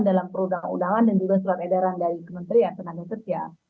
dalam perundang undangan dan juga surat edaran dari kementerian tenaga kerja